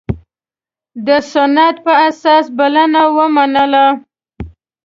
د سنت په اساس بلنه ومنله.